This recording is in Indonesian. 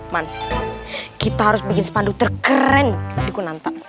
man kita harus bikin sepandu terkeren di gunanta